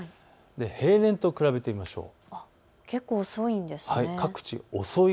平年と比べてみましょう。